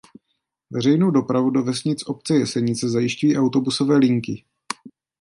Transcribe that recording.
Veřejnou dopravu do vesnic obce Jesenice zajišťují autobusové linky.